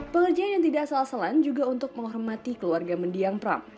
pekerjaan yang tidak salah salah juga untuk menghormati keluarga mendiang pram